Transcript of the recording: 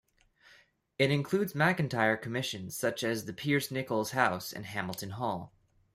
It includes McIntire commissions such as the Peirce-Nichols House and Hamilton Hall.